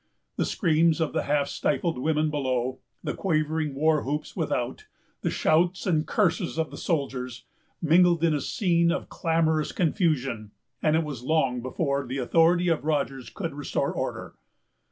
The screams of the half stifled women below, the quavering war whoops without, the shouts and curses of the soldiers, mingled in a scene of clamorous confusion, and it was long before the authority of Rogers could restore order.